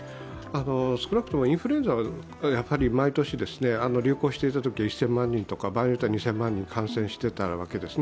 少なくともインフルエンザは毎年、流行していたときは１０００万人とか場合によっては２０００万人感染していたわけですよね。